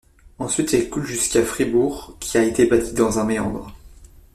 Ensuite elle coule jusqu'à Fribourg, qui a été bâtie dans un méandre.